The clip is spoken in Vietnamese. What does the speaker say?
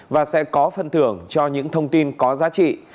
và sẽ có phân thưởng cho những thông tin có giá trị